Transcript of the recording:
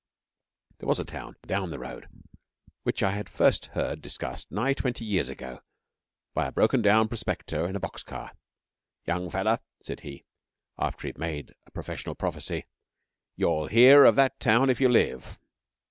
There was a town down the road which I had first heard discussed nigh twenty years ago by a broken down prospector in a box car. 'Young feller,' said he, after he had made a professional prophecy,' you'll hear of that town if you live.